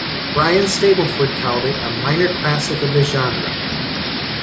Brian Stableford called it "a minor classic of the genre".